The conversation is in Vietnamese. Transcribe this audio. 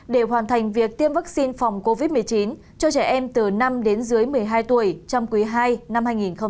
để hoàn thành việc tiêm vaccine phòng covid một mươi chín cho trẻ em từ năm đến dưới một mươi hai tuổi trong quý ii năm hai nghìn hai mươi